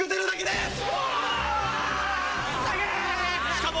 しかも。